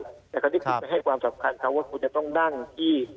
แต่คราวนี้คุณจะให้ความสำคัญเขาว่าคุณจะต้องนั่งที่